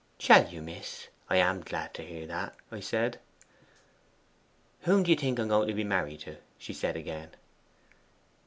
'"Shall you, miss? I am glad to hear that," I said. '"Whom do you think I am going to be married to?" she said again.